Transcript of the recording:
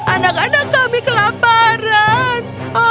anak anak kami kelaparan